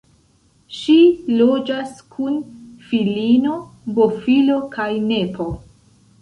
Ŝi loĝas kun filino, bofilo kaj nepo.